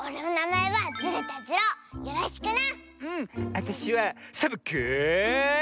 あたしはサボ子よ！